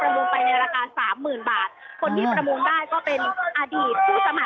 ประมูลไปในราคา๓๐๐๐๐บาทคนที่ประมูลได้ก็เป็นอดีตผู้สมัคร